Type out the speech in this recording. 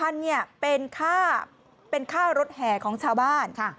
พันเนี่ยเป็นค่าเป็นค่ารถแห่ของชาวบ้าน